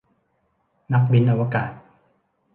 นักบินอวกาศ